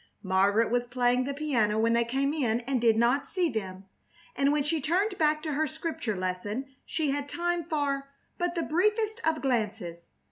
Margaret was playing the piano when they came in, and did not see them, and when she turned back to her Scripture lesson she had time for but the briefest of glances.